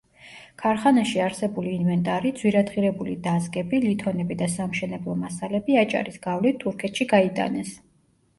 ქარხანაში არსებული ინვენტარი, ძვირადღირებული დაზგები, ლითონები და სამშენებლო მასალები, აჭარის გავლით, თურქეთში გაიტანეს.